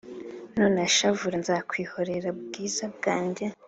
Nunashavura nzakwihoreza bwiza bwanjye